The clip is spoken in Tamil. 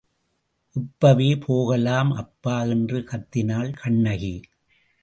இப்பவே போகலாம், அப்பா என்று கத்தினாள் கண்ணகி.